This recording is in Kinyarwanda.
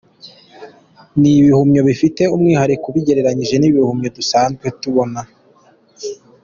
Ni ibihumyo bifite umwihariko ubigereranyije n’ibihumyo dusanzwe tubona.